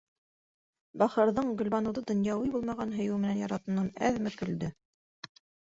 Бахырҙың Гөлбаныуҙы донъяуи булмаған һөйөү менән яратыуынан әҙме көлдө...